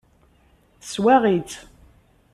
Teswaɣ-itt.